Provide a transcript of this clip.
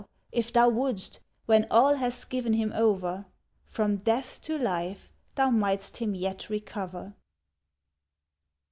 if thou wouldst when all have given him over From death to life thou mightst him yet recover.